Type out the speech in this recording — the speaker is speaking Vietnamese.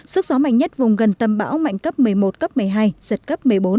sức gió mạnh nhất vùng gần tâm bão mạnh cấp một mươi một cấp một mươi hai giật cấp một mươi bốn